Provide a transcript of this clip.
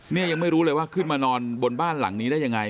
ยังไม่รู้เลยว่าขึ้นมานอนบนบ้านหลังนี้ได้ยังไง